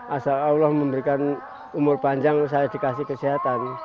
asal allah memberikan umur panjang saya dikasih kesehatan